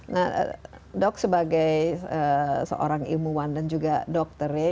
nah dok sebagai seorang ilmuwan dan juga dokter ya